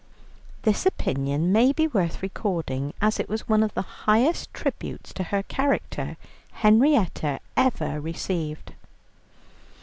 This opinion may be worth recording, as it was one of the highest tributes to her character Henrietta ever received.